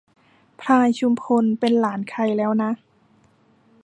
พลายชุมพลเป็นหลานใครแล้วนะ